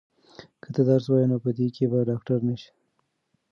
که ته درس ووایې نو په دې کې به ډاکټره نه شې.